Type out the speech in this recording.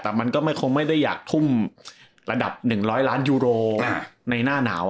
แต่มันก็คงไม่ได้อยากทุ่มระดับ๑๐๐ล้านยูโรในหน้าหนาว